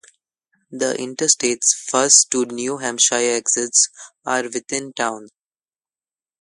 The interstate's first two New Hampshire exits are within town.